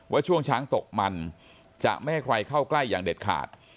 ว่าช่วงช้างตกมันจะไม่ให้ใครเข้าใกล้อย่างเด็ดขาด